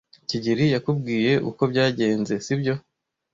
kigeli yakubwiye uko byagenze, sibyo?